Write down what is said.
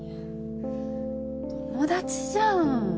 友達じゃん！